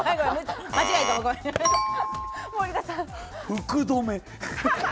福留。